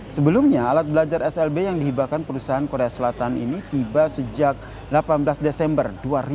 sebelumnya alat belajar slb yang dihibahkan perusahaan korea selatan ini tiba sejak delapan belas desember dua ribu dua puluh